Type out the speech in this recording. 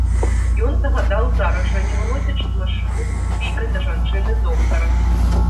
Ён загадаў зараз жа, не выносячы з машыны, клікаць да жанчыны доктара.